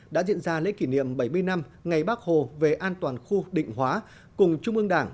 đã diễn ra lễ kỷ niệm bảy mươi năm ngày bác hồ về an toàn khu định hóa cùng trung ương đảng